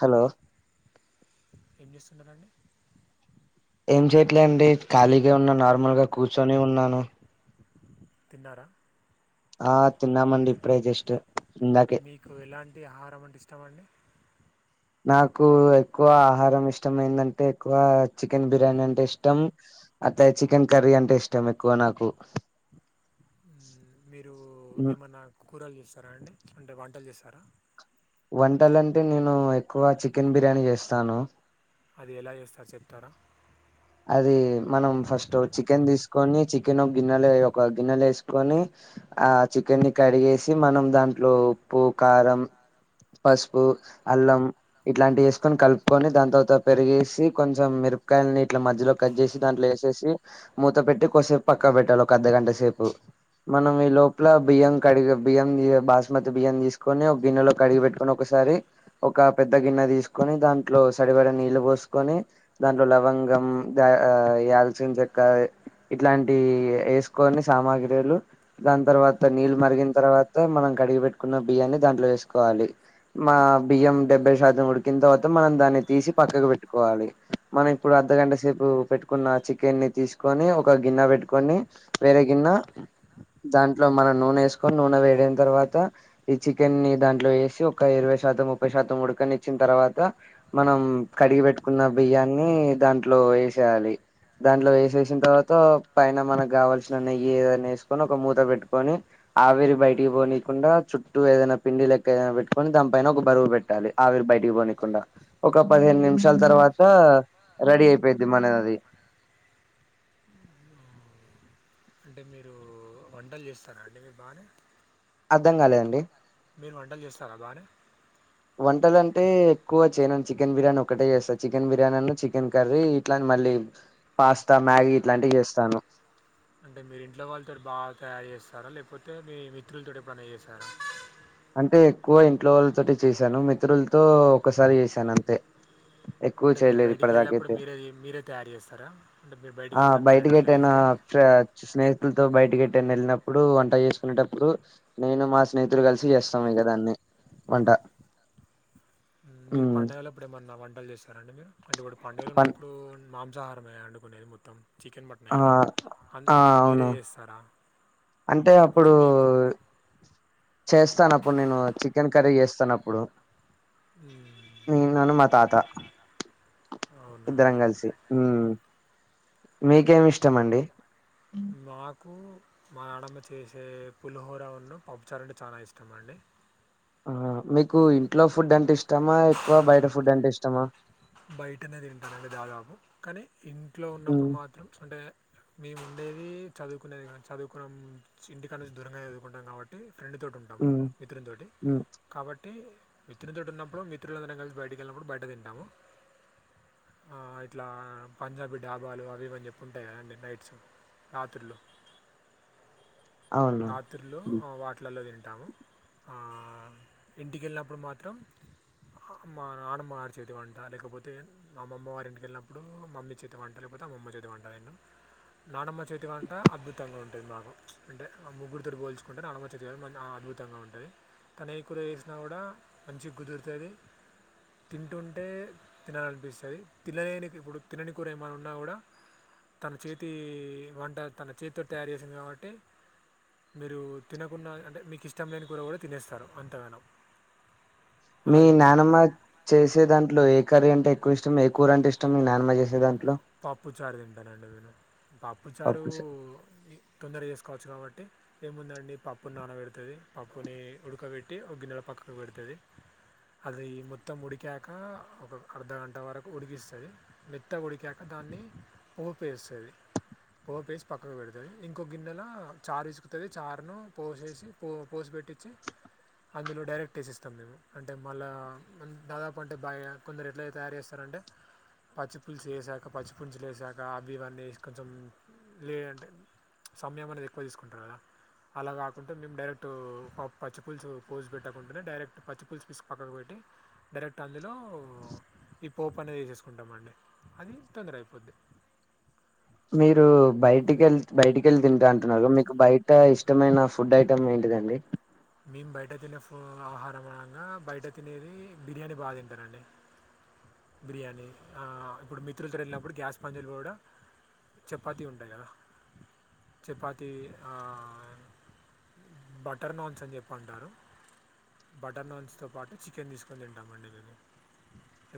Hello ఏం చేస్తున్నారండి ఏం చేయట్లే అండి ఖాళీగా ఉన్నా నార్మల్గా కూర్చొనే ఉన్నాను తిన్నారా ఆ తిన్నా మండి ఇప్పుడే జస్ట్ ఇందాకే మీకు ఎలాంటి ఆహారం అంటే ఇష్టం అండి నాకు ఎక్కువ ఆహారం ఇష్టం ఏందంటే ఎక్కువ చికెన్ బిర్యానీ అంటే ఇష్టం అట్టే చికెన్ కర్రీ అంటే ఇష్టం ఎక్కువ నాకు ఊ మీరు ఏమన్నా కూరలు చేస్తారా అండి అంటే వంటలు చేస్తారా వంటలంటే నేను ఎక్కువ చికెన్ బిర్యానీ చేస్తాను అది ఎలా చేస్తారు చెప్తారా అది మనం ఫస్ట్ చికెన్ తీసుకు కొని చికెన్ ఒక గిన్నెలు ఒక గిన్నెలు వేసుకొని ఆ చికెన్ ని కడిగేసి మనం దాని ట్లో ఉప్పు కారం పసుపు అల్లం ఇట్లాంటివి వేసుకొని కలుపుకొని దాని తర్వాత పెరిగేసి కొంచెం [unintelligible] ఇట్ల మధ్యలో కట్ చేసి దాంట్లేసేసి మూత పెట్టి కొస్సేపు పక్కా పెట్టాలి ఒక అర్దగంట సేపు మనం ఈ లోపల బియ్యం కడిగి బియ్యం బాస్మతి బియ్యం తీసుకొని ఒక గిన్నెలో కడిగి పెట్టుకని ఒకసారి సరీ ఒక పెద్ద గిన్నె తీసుకొని దాంట్లో సరిపడ నీళ్ళు పోసుకొని దాంట్లో లవంగం ఉ దాల్చిన చేక్క ఇట్లాంటి వేసుకొని సామాగ్రిలు దాని తర్వాత నీళ్ళు మరిగిన తర్వాత మనం కడిగిపెట్టుకున్న బియ్యాన్ని దాంట్లో వేసుకోవాలి మా బియ్యం డెబ్బై శాతం ఉడికిన తర్వాత మనం దా పెట్టేసి పక్కకు పెట్టుకోవాలి కొంచెంసేపు పెట్టుకున్న చికెన్ ని తీసుకొని ఒక గిన్న పెట్టుకొని వేరే గిన్న దాంట్లో మనం నూనె వేసుకొని నూనె వేడిన తర్వాత ఈ చికెన్ ని దాంట్లో వేసి ఒక ఇరవై శాతం ముప్పై శాతం ఉడకనిచ్చిన్ తర్వాత మనం కడిగి పెట్టుకున్న బియ్యాని ఇందులో వేసేయాలి దాంట్లో వేసేసిన తర్వాత పైన మనకు కావాల్సిన నెయ్యి ఏదనా వేసుకొని ఒక మూత పెట్టుకొని ఆవిరి బయటికి పోనీకుండా చుట్టూ ఏదైనా పిండి లెక్క ఏదైనా పెట్టుకొని దానిపైన ఒక బరువు పెట్టాలి ఆవిరి బయటికి పోనీకుండా ఒక పదిహేను నిమిషాల తర్వాత రెడీ అవుతుంది అయిపోద్ది మనది అంటే మీరు వంటలు చేస్తారా అండి మీ బాగానే అర్ధం కాలేదండి మీరు వంటలు చేస్తారా బానే వంటలు అంటే ఎక్కువగా చేయను చికెన్ బిర్యానీ ఒకటే చేస్తా చికెన్ బిర్యానీ అన్న చికెన్ కర్రీ ఇట్లాంటి మళ్ళీ పాస్తా మ్యాగీ ఇట్లాంటివి చేస్తాను అంటే మీరి ఇంట్లో వాళ్ళతో బాగా తయారు చేస్తారా లేకపోతే మీ మిత్రులతో పని చేస్తారా అంటే ఎక్కువ ఇంట్లో వాళ్ళతోటి చేశాను మిత్రులతో ఒకసారి చేసాను అంతే ఎక్కువ అంటే మీరు చేయలేదు బయటికి వెళ్ళినప్పుడు ఇప్పటిదాకైతే మీరే మీరే తయారు చేస్తారా అంటే మీరు ఆ బయటికి ఎప్పుడన్న ఏటన్న ఎటైనా ఎల్తే స్నేహితులతో బయటకిట్ట వెళ్ళినప్పుడు వంట చేసుకునేటప్పుడు నేను మా స్నేహతులు కలిసి చేస్తాము కదాన్ని వంట మ్మ్. మీరు ఉమ్, పండగలో అప్పుడు ఏమన్నా వంటలు చేస్తారండి మీరు అంటే ఇప్పుడు పంగలు పన్ ఉన్నప్పుడు మా ఉసాహారమే వండుకునేది మొత్తం చికెన్ మటన్ ఆ కదా అ ఆ అప్పుడు అవును మీరే చేస్తారా అంటే లేకపోతే అప్పుడు మీకు చేస్తాను అప్పుడు నేను చికెన్ కర్రీ చేస్తానప్పుడు మ్మ్. నిను మా తాత అవునా ఇద్దరం కలిసి మీకేమి ఇష్టం అండి మాకు మా నానమ్మ చేసే పులిహోర ఉన్న పప్పుచారు అంటే చాలా ఇష్టం అండి ఆ మీకు ఇంట్లో ఫుడ్ అంటే ఇష్టమా ఎక్కువ బయట ఫుడ్ అంటే ఇష్టమా బయట అనే తింటానండి దాదాపు కానీ ఇంట్లో ఉన్నప్పుడు మ్మ్ మాత్రం అంటే మేము ఉండేది చదువుకునేది కానీ చదువుకున్నాం ఇంటికా నుంచి దూరంగా చదువుకుంటాం కాబట్టి ఫ్రెండ్ తో ఉంటాము మ్మ్ మిత్రునితోటి మ్మ్ కాబట్టి మిత్రుడి తో ఉన్నప్పుడు మిత్రులందరం కలిసి బయటకి వెళ్ళినప్పుడు బయట తింటాము ఆ ఇట్లా పంజాబీ డాబాలు అవి ఇవన్న చెప్పి ఉంటాయి కదా అండి నైట్స్ రాత్రులు అవును రాత్రులు వాటిలల్లో తింటాము ఇంటికి వెళ్ళినప్పుడు మాత్రం అమ్ మా నానమ్మగారి చేతి వంట లేకపోతే మా అమ్మ వారి ఇంటికి వెళ్ళినప్పుడు మమ్మీ చేతి వంట లేకపోతే అమ్మ చేతి వంట ఏం నానమ్మ చేతి వంట అద్భుతంగా ఉంటుంది మాకు అంటే ముగ్గురుతోటి పోల్చుకుంటారు నానమ్మ చేతి వంట అద్భుతంగా ఉంటుంది తాను ఏ కూర వేసినా కూడా మంచి కుదురుతది తింటుంటే తినాలనిపిస్తుంది తినలేని ఇప్పుడు తినని కూర ఏమైనా ఉన్నా కూడా తన చేతి వంట తన చేతి తయారు చేసింది కాబట్టి మీరు తినకుండా అంటే మీకు ఇష్టం లేని కూర కూడా తినేస్తారు అంత గానం మీ నానమ్మ చేసే దాంట్లో ఏ కర్రీ ఎక్కువ ఇష్టం ఏ కూవరుంటే ఇష్టం నానమ్మ చేసే దంటే పాప్పు చారు తింటానండి నేను పాప్పు చారు పప్పు చా తొందర చేసుకోవచ్చు కాబట్టి ఏముందండి పప్పు నానబెడుతుంది పప్పుని ఉడకబెట్టి ఒక గిన్నెలో పక్కకు పెడుతుంది అది మొత్తం ఉడికాక ఒక అర్ధ గంట వరకు ఉడికిస్తది మెత్తగ ఉడికాక దాన్ని ఊపిస్తాది పోపేసి పక్కకు పెడుతుంది ఇంకోక గిన్నెలో చారు ఇసుకుతుది చారు ను పోసేసి పోసి పెట్టిచే అందులో డైరెక్ట్ వేసిస్తాం మేము అంటే మళ్ళ దాదాపు అంటే బాగా కొందరు ఎట్లయితే తయారు చేస్తార అంటే పచ్చిపులుసు చేయసాక ఇం పచ్చిపులుసు చేశాక అవి ఇవన్నీ కొంచెం లే అంటే సమయం అనేది ఎక్కువ తీసుకుంటాది కదా అలా కాకుంటే మేము డైరెక్ట్ పచ్చి పూలుసు పోసి పెట్టకుంటేనే డైరెక్ట్ పచ్చి పూలుసు పిసి పక్కకు పెట్టి డైరెక్ట్ అందులో ఈ పోప్ అనేది వసేసుకుంటామండి అది తొందర అయిపోద్ది మీరు బయటికెళ్ బయటికెళ్ళి తింటా అంటున్నారు మీకు బయట ఇష్టమైన ఫుడ్ ఐటమ్ ఏంటి ఎంతిదండీ మేము బయట తినే ఫ ఆహారం అనంగా బయట తినేది బిర్యానీ బాగా తింటానండి బిర్యానీ ఇప్పుడు మిత్రులతో వెళ్ళినప్పుడు గ్యాస్ పంజలు కూడా చపాతీ ఉంటాయి కదా చపాతి బటర్ నాన్స్ అని చెప్ప అంటారు బటర్ నాన్స్తో పాటు చికెన్ తీసుకొని తింటామండి మేము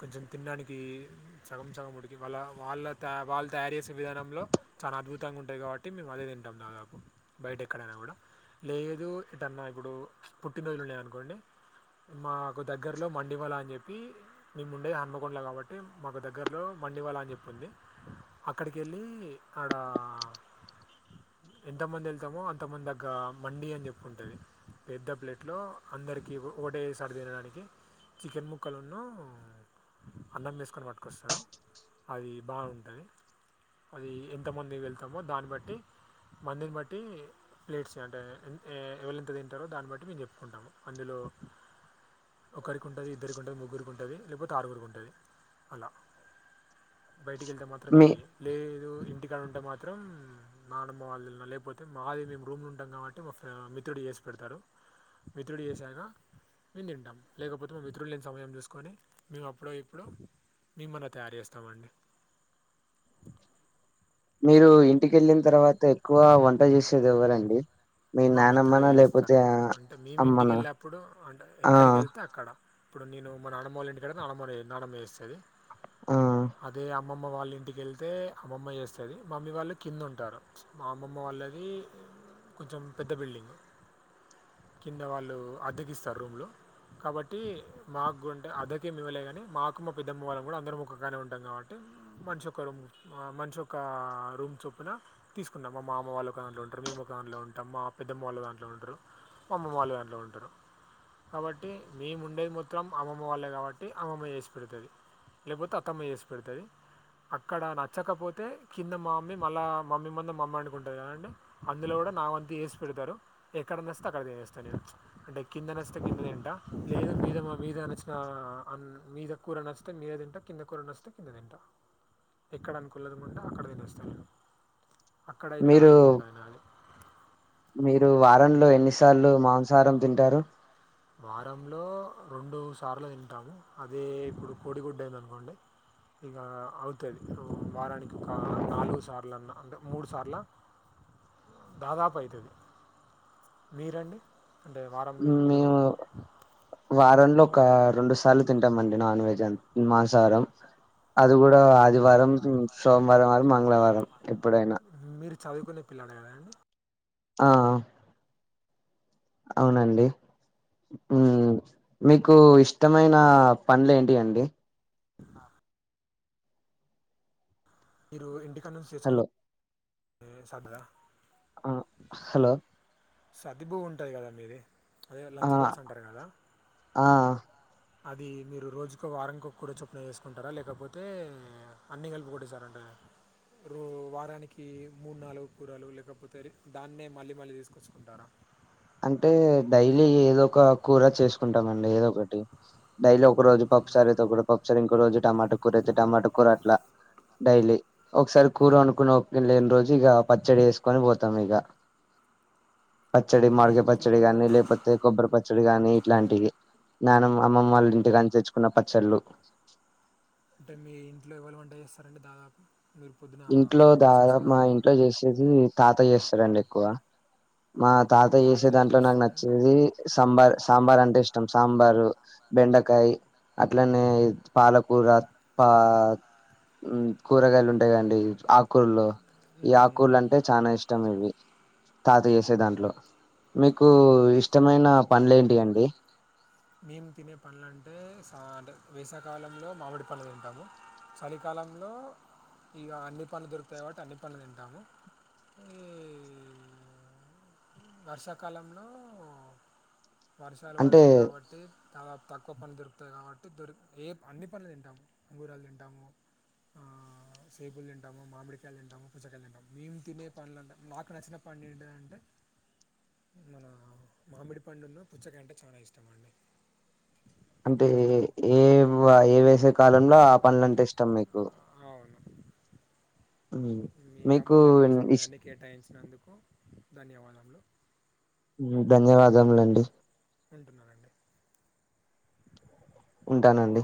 కొంచెం తినడానికి సగం సగం ఉడికి వాళ్ళ వాళ్ళ వాళ్ళు తయారు చేసే విధానంలో చా అద్భుతంగా ఉంటాంది కాబట్టి మేము అదే తింటాం దాదాపు బయట ఎక్కడైనా కూడా లేదు ఎటన్నా ఇప్పుడు పుట్టినరోజులు ఉన్నాయి అనుకోండి మాకు దగ్గరలో మండివల అని చెప్పి మేము ఉండే హన్మకొండల కాబట్టి మాకు దగ్గరలో మండివళ అని చెప్పింది అక్కడికి వెళ్ళి ఆడా ఎంత మంది వెళ్తామో అంతమంది దగ్గ మండి అని చెప్పి ఉంటది పెద్ద ప్లేట్లో అందరికీ ఒకటే సారి తినడానికి చికెన్ ముక్కలునూ అన్నం వేసుకొని పట్టుకొస్తారు అది బాగుంటది అది ఎంత మంది వెళ్తామో దాన్ని బట్టి మందిని బట్టి ప్లేట్స్ అంటే ఎవరు ఎంత తింటారో దాన్ని బట్టి మేము చెప్పుకుంటాము అందులో ఒకరికి ఉంటుంది ఇద్దరికి ఉంటుంది ముగ్గురికి ఉంటుంది లేకపోతే ఆరుగురికి ఉంటుంది అలా బయటికి వెళ్తే మాత్రం మీ ఇది లేదు ఇంటికాడ ఉంటే మాత్రం నానమ్మ వాళ్ళ లేకపోతే మాది మేము రూమ్ లో ఉంటాం కాబట్టి మా మిత్రుడు చేే పెడతారు మిత్రుడి చేసాక మేము తింటాం లేకపోతే మేము మిత్రుడు లేని సమయం చూస్త కొని మేము అప్పుడో ఇప్పుడో మేమన్న తయారు చేస్తామండి మీరు ఇంటికెళ్ళిన తర్వాత ఎక్కువ వంట చేసేది ఎవ్వరండి మా మిత్రుడే చేస్తారు అంటే మేమి ఇంటికి అమ్మనా వెళ్ళప్పుడు అంటే ఆ ఎక్కడికి వెళ్తే అక్కడ ఇప్పుడు నేను మా ననమ్మ ఇంటికాడ నానమ్మ చేస్తాది ఆ అదే [inaudible] అమ్మమ్మ వాళ్ళ ఇంటికి వెళితే అమ్మమ్మ చేస్తుంది మా అమ్మీ వాళ్ళు కింద ఉంటారు మా అమ్మమ్మ వాళ్ళది కొంచెం పెద్ద బిల్డింగ్ కింద వాళ్ళు అద్దెకిస్తారు రూమ్లు కాబట్టి మాకుంటే అద్దెకేం ఇవ్వాలా కానీ మాకు మా పెద్దమ్మ వాళ్ళం కూడా అందరు ఒకకడని ఉంటాం కాబట్టి మనిషి ఒక రూమ్ మనిషి ఒక రూమ్ చొప్పున తీసుకుంనం మా మామ వాళ్ళు ఒకలో ఉంటారు మేము దాంట్లో ఉంటాం మా పెద్దమ్మ వాళ్ళు దాంట్లో ఉంటారు మా అమ్మ వాళ్ళు దాంట్లో ఉంటారు కాబట్టి మేము ఉండేది మత్రం అమ్మమ్మ వాళ్ళే కాబట్టి అమ్మమ్మ చేసి పెడతది లేకపోతే అత్తమ్మ చేేసి పెడతుంది అక్కడ నచ్చకపోతే కింద మా మమ్మీ మళ్ళా మమ్మీ మంద మమ్మ అనుకుంటారు అదంటే అందులో కూడా నా వంతు ఎస్ పెడతారు ఎక్కడ నచ్చితే అక్కడ తతినేస్త నేను అంటే కింద నచ్చితే కిందనే తింట లేదు మీద మీద నచ్చిన మీద కూర నచ్చితే మీద తింట కింద కూర నచ్చితే కింద తింట ఎక్కడ అనుకులేదముంటే అక్కడ తినేస్తాను అక్కడ మీరు ఇక్కడనే ఏము ఉండ తినాలి మీరు వారంలో ఎన్నిసార్లు మాంసాహారం తింటారు వారంలో రెండు సార్లు తింటాము అద ఇప్పుడు కోడిగుడ్డ అయిందనుకోండి ఇక అవుతది వారానికి ఒక నాలుగు సార్లన్నా అంటే మూడు సార్ల [inaudible] దాదాపు అవుతుంది మీరండి అంటే వారం మీరు మేము వారంలో ఒక రెండు సార్లు తింటాంమండి నాన్ వెజ్ అ మాంసాహారం అది కూడా ఆదివారం సోమవారం మంగళవారం ఎప్పుడైనా మీరు చదువుకునే పిల్లాడే కదా అండి ఆ అవునండి మీకు ఇష్టమైన పండ్ల లు ఏంటి అండి ఆ హలో [unintelligible] ఆ హలో సర్తి భు ఉంటుంది కదా మీది అదే ఆ లంచ్ బాక్స్ అంటారు కదా ఆ అది మీరు రోజుకో వారంకో కూడా చొప్పున చేసుకుంటారా లేకపోతే అన్ని కలుపు కొట్టసారంటారు [inaudible] రో వారాని కి మూడు నాలుగు కూరలు లేకపోతే దాన్నే మళ్ళీ మళ్ళీ తీసుకొచ్చుకుంటారా అంటే డైలీ ఏదో ఒక కూర చేసుకుంటామండి ఏదో ఒకటి డైలీ ఒక రోజు పప్పుసారి అయితే ఒక పప్పుసారి ఇంకో రోజు టమాట కూర అయితే టమాటో కూర అట్లా డైలీ ఒకసారి కూర అనుకుని ప్పుని లేని రోజు ఇక పచ్చడి వేసుకొని పోతాం ఇక పచ్చడి మీ మడక ఇంట్లో పచ్చడి గాని లేకపోతే కొబ్బరి పచ్చడి గాని ఇట్లాంటివి [unintelligible] అమ్మమ్మ వాళ్ళు ఇంటి కాని తెచ్చుకున్న పచ్చళ్ళు అంటే మీ ఇంట్లో ఎవరు వంట చేస్తారంటడి దాదాపు మీరు పొద్దున ఇంట్లో దాదా మా తీసుకొచ్చుకోవడానికి ఇంట్లో చేసేది తాత చేస్తారండి ఎక్కువ ఆ, మా తాత చేసే తాతయ్య ఏం దాంట్లో నాకు చేస్తారండి నచ్చేది సాంబార్ సాంబార్ అంటే ఇష్టం సాంబారు బండకాయ అట్లనే పాలకూర పా కూరగాయలు ఉంటాయి కడి ఆకూలు ఈ ఉమ్, ఉమ్. ఆకూరలు అంటే చాలా ఇష్టం ఇవి తాత చేసే దాంట్లో మీకు ఇష్టమైన పనులు ఏంటి అండి మేము తినే పంల అంటేంట వేసాకాలంలో మామిడి పంలు తింటాము చలికాల లంలో ఇక అన్ని పనులు దొరుకుతాయిబట్టి అన్ని పనులు తింటాము ఏ వర్షాకాలంలో వర్షాలు అంటే పడతాయి కాబట్టి చాలా తక్కువ పనులు దొరుకుతాయి కాబట్టి ద ఏ అన్ని పనులు తింటాము అంగూరాలు తింటాము ఆ సేబులు తంటాము మామిడికాయలు తింటాము పుచ్చకాయలు తంటాము మేము తినే పనులుంటము నాకు నచ్చిన ప పండింటి అంటే మన మామిడి పండున్న పుచ్చక అంటే చాలా ఇష్టం అండి అంటే ఏ ఏ వేసే కాలంలో ఆ పనులంటే ఇష్టం మీకు అవును ఉమ్. మీ మీకు అమూల్యమైన ఇష్ సమయాన్ని కేటాయించినందుకు ధన్యవాదములు ధన్యవాదములండి ఉంటున్నాం ఉంటున్నానండి ఉంటానండి